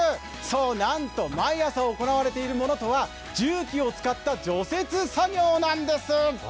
なんと毎朝行われているものとは重機を使った除雪作業なんです。